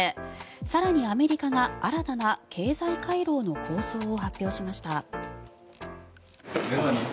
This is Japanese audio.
更にアメリカが新たな経済回廊の構想を発表しました。